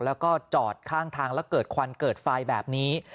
แล้วก็จอดข้างทางแล้วเกิดควันเกิดไฟแบบนี้